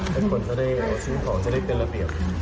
ให้คนจะได้ซื้อของจะได้เป็นระเบียบ